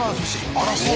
あらそう。